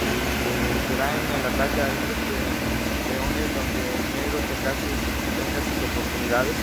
Será en el ataque a esos peones donde el negro tenga sus oportunidades.